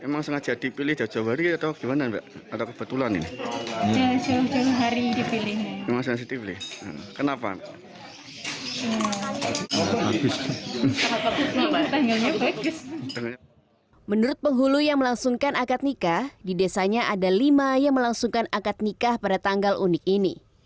menurut penghulu yang melangsungkan akad nikah di desanya ada lima yang melangsungkan akad nikah pada tanggal unik ini